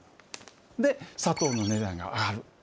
で、砂糖の値段が上がる。